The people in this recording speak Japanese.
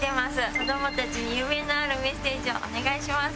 子どもたちに夢のあるメッセージをお願いします。